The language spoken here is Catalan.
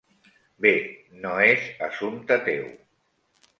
Bé, no és assumpte teu.